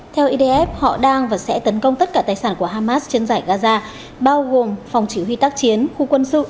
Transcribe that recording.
theo idf họ đang và sẽ tấn công tất cả tài sản của hamas trên giải gaza bao gồm phòng chỉ huy tác chiến khu quân sự